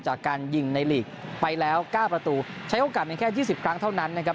จากการยิงในหลีกไปแล้ว๙ประตูใช้โอกาสเพียงแค่๒๐ครั้งเท่านั้นนะครับ